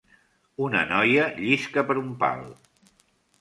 Una noia llisca per un pal